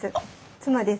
妻です。